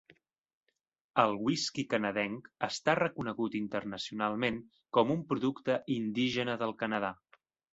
El whisky canadenc està reconegut internacionalment com un producte indígena del Canadà.